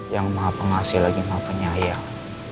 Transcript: yang maha pengasih lagi maha penyayang